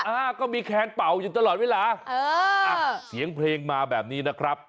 อ่าก็มีแคนเป่าอยู่ตลอดเวลาเอออ่ะเสียงเพลงมาแบบนี้นะครับ